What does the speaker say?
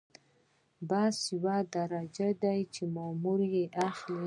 بست یوه درجه ده چې مامور یې اخلي.